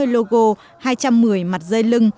hai trăm chín mươi logo hai trăm một mươi mặt dây